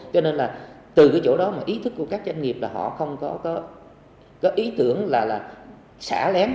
cho nên là từ cái chỗ đó mà ý thức của các doanh nghiệp là họ không có ý tưởng là xả lén